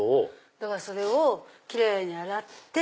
だからそれをキレイに洗って。